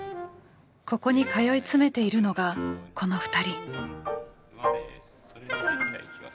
ここに通い詰めているのがこの２人。